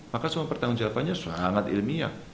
maka semua pertanggung jawabannya sangat ilmiah